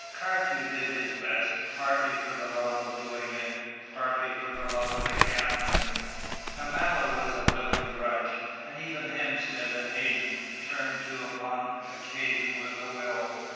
Carthew did his best, partly for the love of doing it, partly for love of the captain; Amalu was a willing drudge, and even Hemstead and Hadden turned to upon occasion with a will.